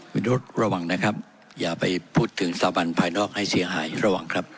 มนุษย์ระวังนะครับอย่าไปพูดถึงสถาบันภายนอกให้เสียหายระวังครับ